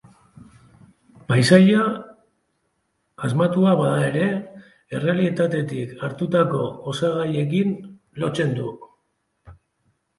Paisaia asmatua bada ere, errealitatetik hartutako osagaiekin lotzen du.